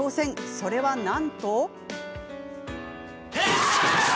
それはなんと。